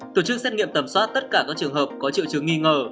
tổ chức xét nghiệm tầm soát tất cả các trường hợp có triệu chứng nghi ngờ